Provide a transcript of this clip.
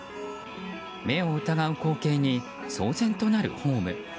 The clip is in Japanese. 目を疑う光景に騒然となるホーム。